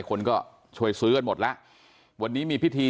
คนก็ช่วยซื้อกันหมดแล้ววันนี้มีพิธี